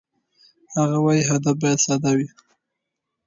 هغه وايي، هدف باید ساده وي.